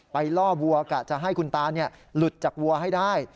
ล่อวัวกะจะให้คุณตาหลุดจากวัวให้ได้